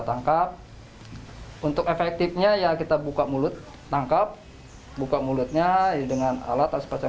tangkap untuk efektifnya ya kita buka mulut tangkap buka mulutnya dengan alat